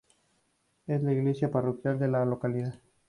Es la iglesia parroquial de la localidad.